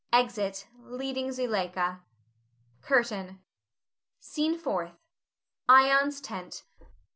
[Exit, leading Zuleika. CURTAIN. SCENE FOURTH. [Ion's tent.